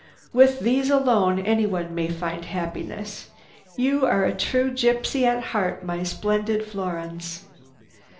With these alone anyone may find happiness. You are a true gypsy at heart, my splendid Florence."